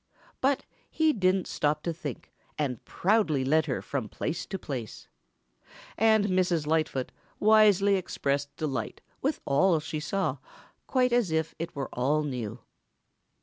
But he didn't stop to think and proudly led her from place to place. And Mrs. Lightfoot wisely expressed delight with all she saw quite as if it were all new.